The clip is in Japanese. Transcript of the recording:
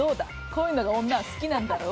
こういうのが女は好きなんだろ？